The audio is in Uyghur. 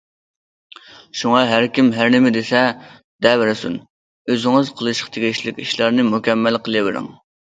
شۇڭا ھەر كىم ھەر نېمە دېسە دەۋەرسۇن، ئۆزىڭىز قىلىشقا تېگىشلىك ئىشلارنى مۇكەممەل قىلىۋېرىڭ.